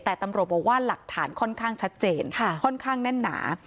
แต่ตำรวจบอกว่าหลักฐานค่อนข้างชัดเจนค่อนข้างแน่นหนา